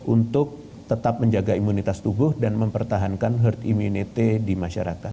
untuk tetap menjaga imunitas tubuh dan mempertahankan herd immunity di masyarakat